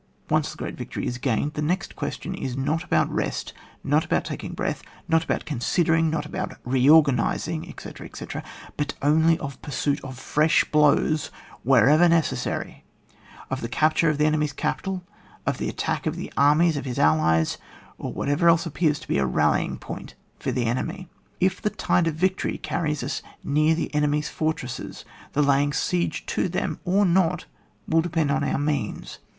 Once the great victory is gained, the next question is not about rest, not about taking breath, not about considering, not about reorganising, etc., etc., but only of pursuit of fresh blows wherever neces sary, of the capture of the enemy's capi tal, of the attack of the armies of his allies, or of whatever else appears to be a rallying point for the enemy. If the tide of victory carries us near the enemy's fortresses, the laying siege to them or not will depend on our means.